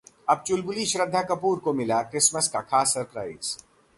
जब चुलबुली श्रद्धा कपूर को मिला क्रिसमस का खास सरप्राइज